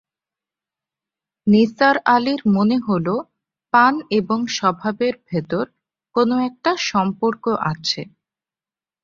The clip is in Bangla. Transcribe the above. নিসার আলির মনে হলো, পান এবং স্বভাবের ভেতর কোনো একটা সম্পর্ক আছে।